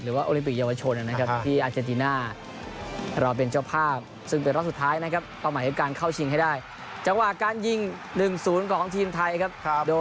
หรือว่าโอลิมปิกเยาวชนนะครับ